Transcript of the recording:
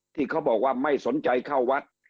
ที่เขาบอกว่าไม่สนใจเข้าวัด